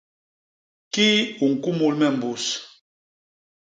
Kii u ñkumul me mbus.